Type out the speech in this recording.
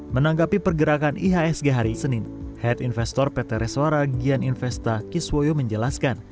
menanggapi pergerakan ihsg hari senin head investor pt reswara gian investa kiswoyo menjelaskan